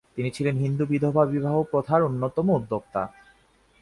তিনি ছিলেন 'হিন্দু বিধবা বিবাহ' প্রথার অন্যতম উদ্যোক্তা।